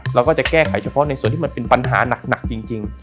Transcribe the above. เราก็จะแก้ไขเฉพาะในส่วนที่มันเป็นปัญหาหนักจริง